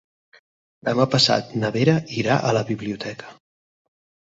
Demà passat na Vera irà a la biblioteca.